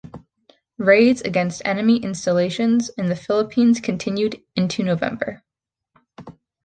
Raids against enemy installations in the Philippines continued into November.